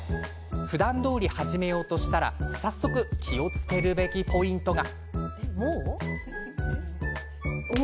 ふだんどおり始めようとしたら早速気をつけるべきポイントが。